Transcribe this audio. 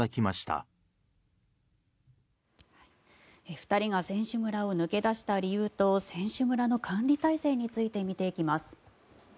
２人が選手村を抜け出した理由と選手村の管理体制について見ていきます。